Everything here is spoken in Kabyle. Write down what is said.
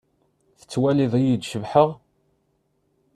Tettwaliḍ-iyi-d cebḥeɣ?